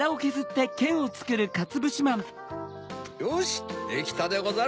よしっできたでござる！